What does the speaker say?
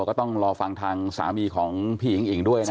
ก็ต้องรอฟังทางสามีของพี่หญิงอิ๋งด้วยนะ